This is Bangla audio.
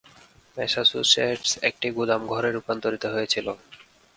ম্যাসাচুসেটস একটা গুদামঘরে রূপান্তরিত হয়েছিল।